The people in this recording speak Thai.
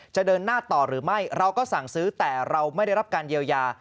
เดินหน้าต่อหรือไม่เราก็สั่งซื้อแต่เราไม่ได้รับการเยียวยา